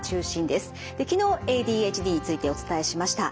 で昨日ＡＤＨＤについてお伝えしました。